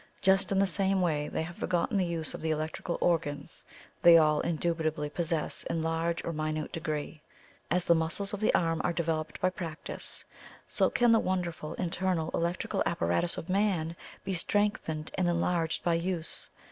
Just in the same way, they have forgotten the use of the electrical organs they all indubitably possess in large or minute degree. As the muscles of the arm are developed by practice, so can the wonderful internal electrical apparatus of man be strengthened and enlarged by use.